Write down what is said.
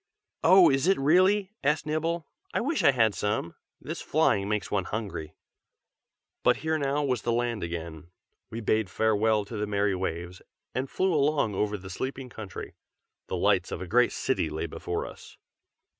"Oh! is it really?" asked Nibble. "I wish I had some! this flying makes one hungry." But here now was the land again. We bade farewell to the merry Waves, and flew along over the sleeping country. The lights of a great city lay before us.